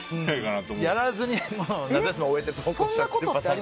やらずに夏休み終えて登校しちゃうパターン？